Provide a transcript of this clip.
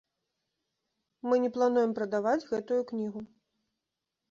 Мы не плануем прадаваць гэтую кнігу.